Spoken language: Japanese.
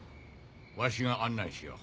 わしが案内しよう。